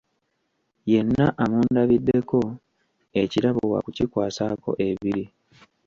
Yenna amundabirako, ekirabo wa kukwasaako ebiri.